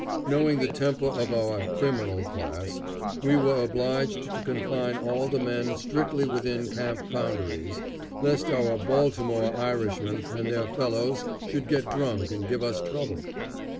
Knowing the temper of our "criminal class," we were obliged to confine all the men strictly within camp boundaries, lest our Baltimore Irishmen and their fellows should get drunk and give us trouble.